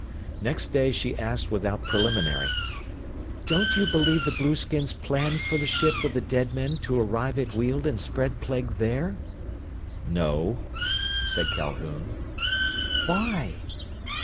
Next day she asked without preliminary, "Don't you believe the blueskins planned for the ship with the dead men to arrive at Weald and spread plague there?" "No," said Calhoun. "Why?"